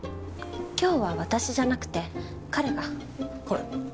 今日は私じゃなくて彼が彼？